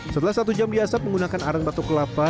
setelah satu jam diasap menggunakan arang batuk kelapa